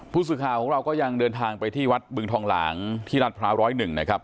พุธศงคราวก็ยังเดินทางไปที่วัดบึงทองหลังที่รัชพระ๑๐๑